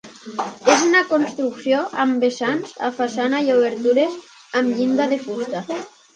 És una construcció amb vessants a façana i obertures amb llinda de fusta.